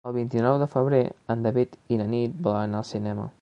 El vint-i-nou de febrer en David i na Nit volen anar al cinema.